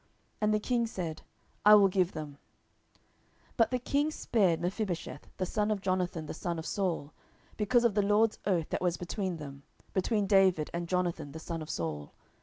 And the king said, I will give them. 10:021:007 But the king spared Mephibosheth, the son of Jonathan the son of Saul, because of the LORD's oath that was between them, between David and Jonathan the son of Saul.